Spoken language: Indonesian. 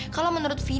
kalau menurut vina